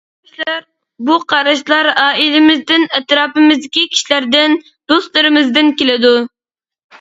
بۇ قاراشلار ئائىلىمىزدىن، ئەتراپىمىزدىكى كىشىلەردىن، دوستلىرىمىزدىن كېلىدۇ.